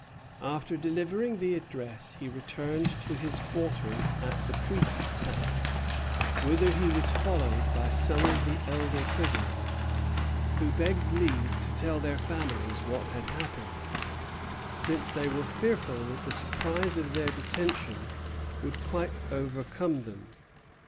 After delivering the address, he returned to his quarters at the priest's house, whither he was followed by some of the elder prisoners, who begged leave to tell their families what had happened, "since they were fearful that the surprise of their detention would quite overcome them."